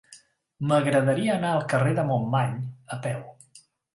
M'agradaria anar al carrer de Montmany a peu.